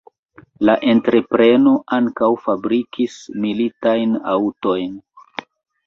La entrepreno ankaŭ fabrikis militajn aŭtojn.